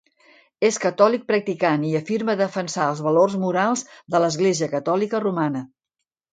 És catòlic practicant i afirma defensar els valors morals de l'Església Catòlica Romana.